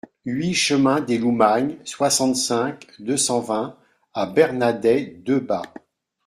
huit chemin des Loumagnes, soixante-cinq, deux cent vingt à Bernadets-Debat